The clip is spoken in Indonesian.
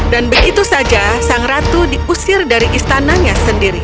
dan begitu saja sang ratu diusir dari istananya sendiri